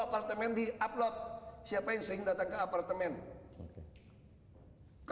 apartemen di upload siapa yang sering datang ke apartemen kan berkuasa dong bisa panggil semua orang tau